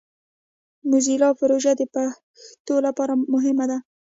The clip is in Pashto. موزیلا پروژه د پښتو لپاره مهمه ده.